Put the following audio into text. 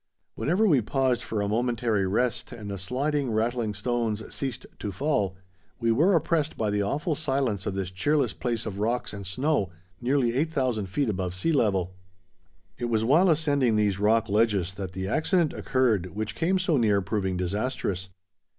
Whenever we paused for a momentary rest and the sliding, rattling stones ceased to fall, we were oppressed by the awful silence of this cheerless place of rocks and snow nearly 8000 feet above sea level. It was while ascending these rock ledges that the accident occurred which came so near proving disastrous.